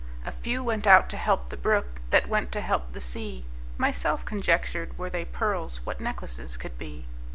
A few went out to help the brook, That went to help the sea. Myself conjectured, Were they pearls, What necklaces could be!